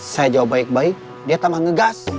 saya jawab baik baik dia tambah ngegas